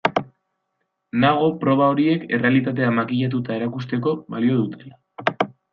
Nago proba horiek errealitatea makillatuta erakusteko balio dutela.